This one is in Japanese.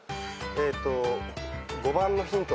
えっと５番のヒント